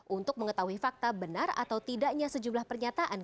untuk mengetahui fakta benar atau tidaknya sejumlah pernyataan